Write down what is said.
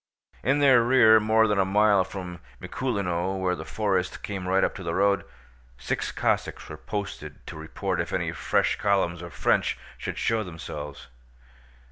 In their rear, more than a mile from Mikúlino where the forest came right up to the road, six Cossacks were posted to report if any fresh columns of French should show themselves.